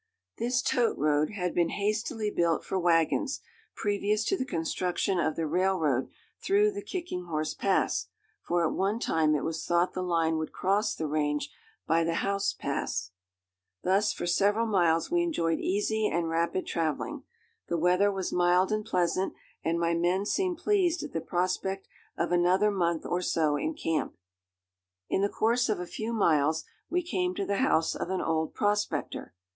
This tote road had been hastily built for wagons, previous to the construction of the railroad through the Kicking Horse Pass, for at one time it was thought the line would cross the range by the Howse Pass. [Illustration: READY TO MARCH.] Thus for several miles we enjoyed easy and rapid travelling. The weather was mild and pleasant, and my men seemed pleased at the prospect of another month or so in camp. In the course of a few miles we came to the house of an old prospector.